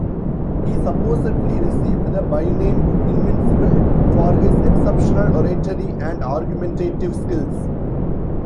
He supposedly received the byname "invincible" for his exceptional oratory and argumentative skills.